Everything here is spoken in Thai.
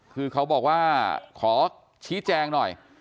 คือเขาบอกว่าขอชี้แจงหน่อย